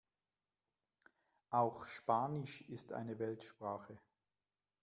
Auch Spanisch ist eine Weltsprache.